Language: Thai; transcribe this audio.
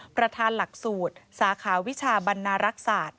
ประธานหลักสูตรสาขาวิชาบรรณารักษา